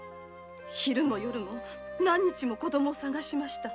昼も夜も何日も子供を捜しました。